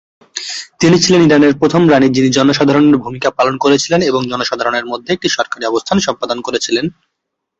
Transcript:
তিনি ছিলেন ইরানের প্রথম রাণী, যিনি জনসাধারণের ভূমিকা পালন করেছিলেন এবং জনসাধারণের মধ্যে একটি সরকারি অবস্থান সম্পাদন করেছিলেন।